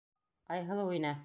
Айһылыу инә.